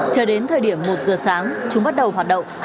chờ đến thời điểm một giờ sáng chúng bắt đầu hoạt động